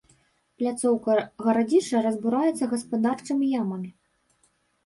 Пляцоўка гарадзішча разбураецца гаспадарчымі ямамі.